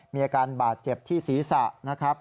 มีอาการบาดเจ็บที่ศีรษะนะครับ